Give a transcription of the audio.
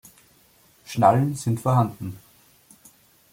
Schnallen sind vorhanden.